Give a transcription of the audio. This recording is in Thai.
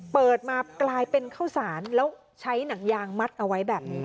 เปิดมากลายเป็นข้าวสารแล้วใช้หนังยางมัดเอาไว้แบบนี้